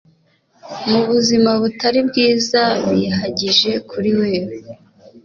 mubuzima butari bwiza bihagije kuri wewe,